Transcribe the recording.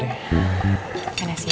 aduh enak sih ya